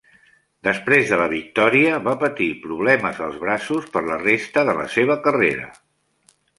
Després de la victòria, va patir problemes als braços per la resta de la seva carrera.